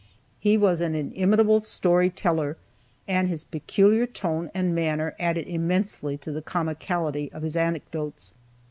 He was an inimitable story teller, and his peculiar tone and manner added immensely to the comicality of his anecdotes.